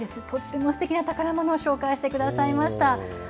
とってもすてきな宝ものを紹介してくださいました。